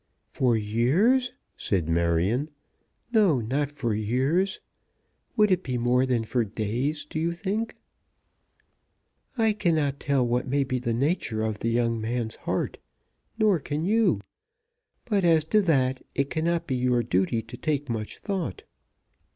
"For years?" said Marion. "No, not for years. Would it be more than for days, do you think?" "I cannot tell what may be the nature of the young man's heart; nor can you. But as to that, it cannot be your duty to take much thought.